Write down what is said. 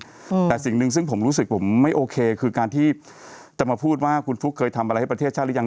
อืมแต่สิ่งหนึ่งซึ่งผมรู้สึกผมไม่โอเคคือการที่จะมาพูดว่าคุณฟลุ๊กเคยทำอะไรให้ประเทศชาติหรือยัง